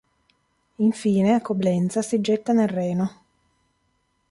Infine, a Coblenza, si getta nel Reno.